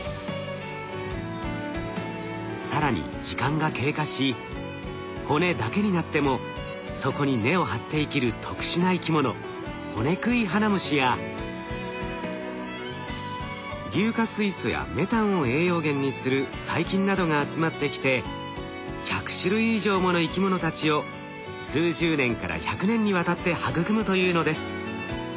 更に時間が経過し骨だけになってもそこに根を張って生きる特殊な生き物ホネクイハナムシや硫化水素やメタンを栄養源にする細菌などが集まってきて１００種類以上もの生き物たちを数十年から１００年にわたって育むというのです。